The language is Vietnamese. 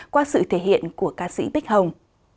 qua sự thể hiện của ca sĩ bích hồng